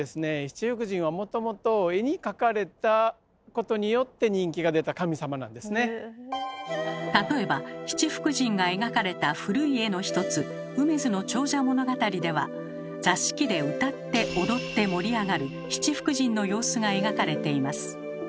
七福神はもともと例えば七福神が描かれた古い絵の一つ「梅津長者物語」では座敷で歌って踊って盛り上がる七福神の様子が描かれています。